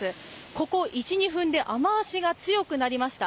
ここ１２分で雨足が強くなりました。